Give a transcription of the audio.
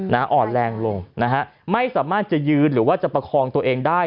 อ่อนแรงลงนะฮะไม่สามารถจะยืนหรือว่าจะประคองตัวเองได้